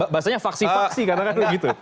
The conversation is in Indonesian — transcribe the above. bahasanya faksi faksi katakan begitu